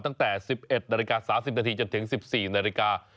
ตั้งแต่๑๑นาฬิกา๓๐นาทีจนถึง๑๔นาฬิกา